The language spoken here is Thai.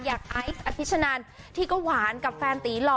อยากอาทิตย์ชนานที่ก็หวานกับแฟนตีหล่อ